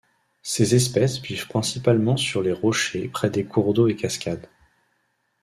Ces espèces vivent principalement sur les rochers près des cours d'eau et cascades.